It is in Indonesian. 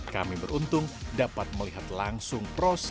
kami beruntung dapat melihat langsung proses